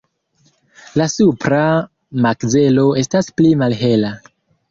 La supra makzelo estas pli malhela.